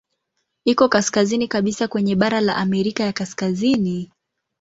Iko kaskazini kabisa kwenye bara la Amerika ya Kaskazini.